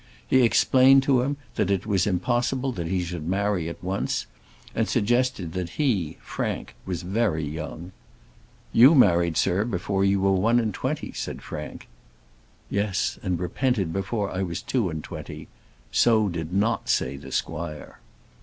He explained to him that it was impossible that he should marry at once, and suggested that he, Frank, was very young. "You married, sir, before you were one and twenty," said Frank. Yes, and repented before I was two and twenty. So did not say the squire.